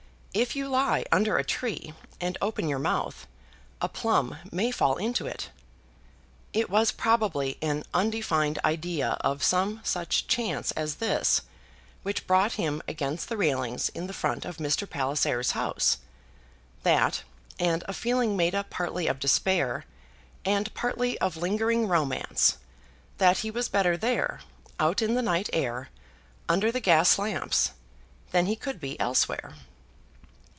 If you lie under a tree, and open your mouth, a plum may fall into it. It was probably an undefined idea of some such chance as this which brought him against the railings in the front of Mr. Palliser's house; that, and a feeling made up partly of despair and partly of lingering romance that he was better there, out in the night air, under the gas lamps, than he could be elsewhere.